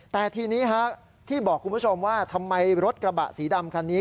แต่ทีนี้ที่บอกคุณผู้ชมว่าทำไมรถกระบะสีดำคันนี้